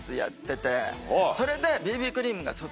それで。